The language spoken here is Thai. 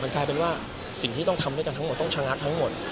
กลายเป็นว่าสิ่งที่ต้องทำด้วยกันทั้งหมดต้องชะงักทั้งหมด